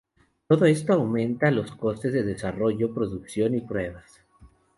Todo esto aumenta los costes de desarrollo, producción y pruebas.